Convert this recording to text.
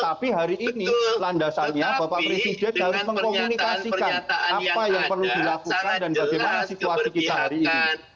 tapi hari ini landasannya bapak presiden harus mengkomunikasikan apa yang perlu dilakukan dan bagaimana situasi kita hari ini